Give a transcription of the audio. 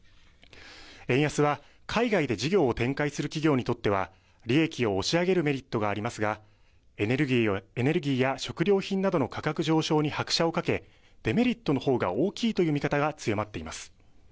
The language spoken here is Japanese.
円安は海外で事業を展開する企業にとっては利益を押し上げるメリットがありますがエネルギーや食料品などの価格上昇に拍車をかけデメリットのほうが大きいという見方が強まっています。